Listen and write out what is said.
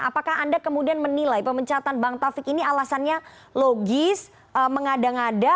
apakah anda kemudian menilai pemecatan bang taufik ini alasannya logis mengada ngada